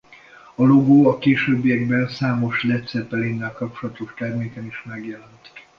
A logó a későbbiekben számos Led Zeppelinnel kapcsolatos terméken is megjelent.